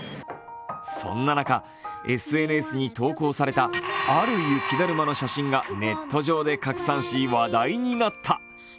そんな中、ＳＮＳに投稿されたある雪だるまの写真がネット上で拡散し、話題になった。